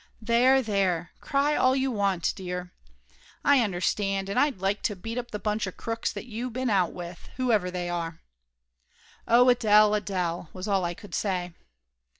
There, there! Cry all you want, dear. I understand, and I'd like to beat up the bunch of crooks that you been out with, whoever they are !" "Oh, Adele, Adele!" was all I could say.